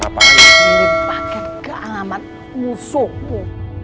apaan paket keanggaman musuhmu